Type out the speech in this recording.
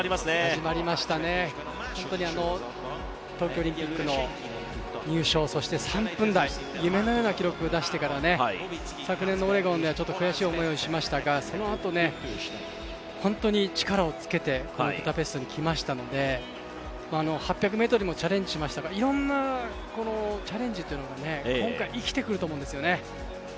始まりましたね、本当に東京オリンピックの入賞、そして３分台、夢のような記録を出してから、昨年のオレゴンでは悔しい思いをしましたがそのあと、本当に力をつけてブダペストに来ましたので、８００ｍにもチャレンジしましたが、いろんなチャレンジというのが今回生きてくると思うんですよね。